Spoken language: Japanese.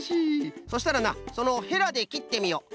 そしたらなそのヘラできってみよ！